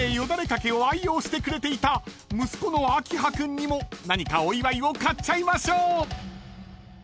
だれ掛けを愛用してくれていた息子の明波君にも何かお祝いを買っちゃいましょう］